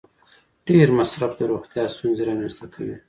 ډېر مصرف د روغتیا ستونزې رامنځته کوي.